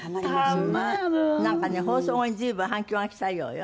なんかね放送後に随分反響がきたようよ。